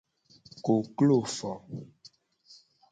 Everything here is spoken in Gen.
Koklo fo.